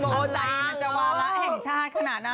อะไรมันจะวาระแห่งชาติขนาดนั้น